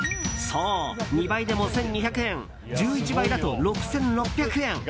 そう、２倍でも１２００円１１倍だと６６００円。